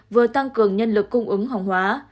vừa tăng cường nhân lực cung ứng hỏng hóa